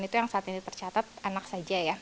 itu yang saat ini tercatat anak saja ya